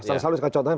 saya selalu contohnya